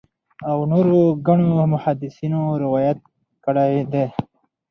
او نورو ګڼو محدِّثينو روايت کړی دی